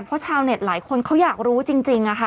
เพราะชาวเน็ตหลายคนเขาอยากรู้จริงค่ะ